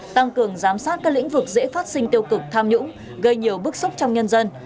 tăng cường giám sát các lĩnh vực dễ phát sinh tiêu cực tham nhũng gây nhiều bức xúc trong nhân dân